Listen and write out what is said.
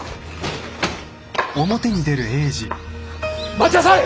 待ちなさい！